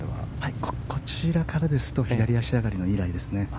こちらからですと左足上がりの、いいライです。